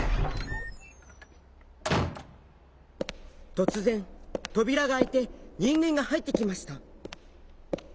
とつぜんとびらがあいてにんげんがはいってきました。